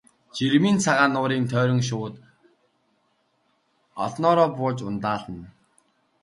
Жирмийн цагаан нуурын тойрон шувууд олноороо бууж ундаална.